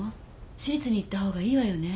私立に行ったほうがいいわよね？